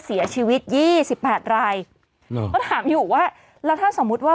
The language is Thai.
เสียชีวิตยี่สิบแปดรายเหรอเขาถามอยู่ว่าแล้วถ้าสมมุติว่า